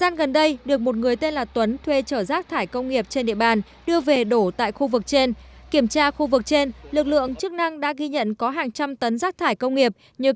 nguyễn ngọc sơn lực lượng công an huyện trảng bom